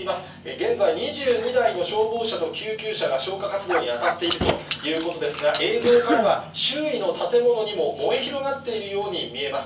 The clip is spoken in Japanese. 現在、２２台の消防車と救急車が消火活動に当たっているということですが、映像からは、周囲の建物にも燃え広がっているように見えます。